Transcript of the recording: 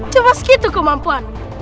cuma sekitu kemampuan